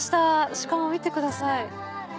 しかも見てください。